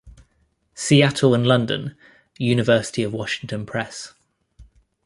Seattle and London: University of Washington Press.